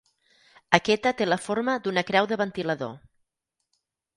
Aquesta té la forma d'una creu de ventilador.